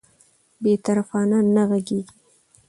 بې طرفانه نه غږیږي